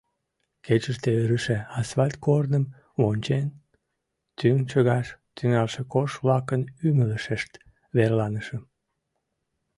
Кечыште ырыше асфальт корным вончен, тӱнчыгаш тӱҥалше кож-влакын ӱмылешышт верланышым.